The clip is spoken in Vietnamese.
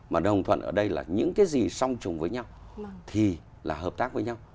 mà đồng thuận ở đây là những cái gì song trùng với nhau thì là hợp tác với nhau